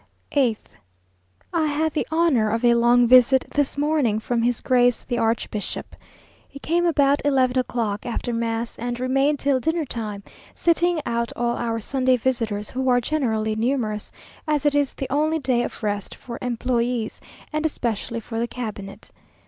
8th. I had the honour of a long visit this morning from his grace the archbishop. He came about eleven o'clock, after mass, and remained till dinner time, sitting out all our Sunday visitors, who are generally numerous, as it is the only day of rest for employés, and especially for the cabinet.